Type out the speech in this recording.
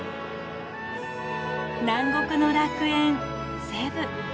南国の楽園セブ。